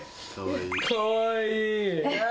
かわいい。